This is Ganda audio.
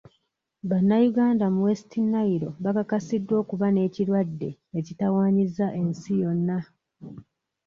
Bannayuganda mu West Nile bakakasiddwa okuba n'ekirwadde ekitawaanyizza ensi yonna.